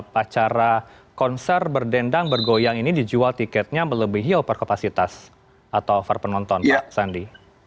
bahwa konser berdendang bergoyang ini dijual tiketnya melebihi overkapasitas atau overpenonton pak sandi